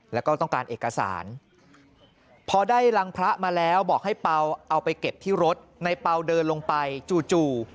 แล้วก็ต้องการเอกสารพอได้รังพระมาแล้วบอกให้เปล่าเอาไปเก็บที่รถในเปล่าเดินลงไปจู่